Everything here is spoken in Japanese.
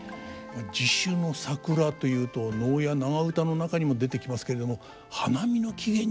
地主の桜というと能や長唄の中にも出てきますけれども花見の起源に関わっていたんですか。